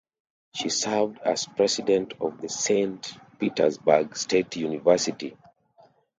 She served as president of Saint Petersburg State University.